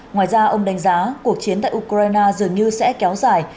ngoài ra ông đánh giá cuộc chiến tại ukraine dường như sẽ kéo dài